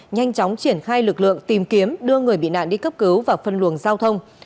nhanh chóng triển khai lực lượng tìm kiếm đưa người bị nạn đi cấp cứu và phân luồng giao thông